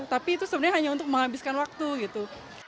tapi itu sebenarnya hanya untuk menghabiskan waktu gitu